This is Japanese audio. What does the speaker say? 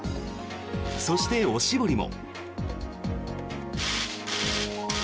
そして、おしぼりも。